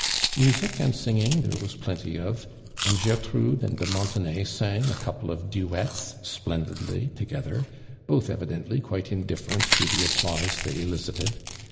Music and singing there was plenty of, and Gertrude and de Montenay sang a cou pie of duetts splendidly together, both evi <.lently (juite indifferent to the applause they elicited.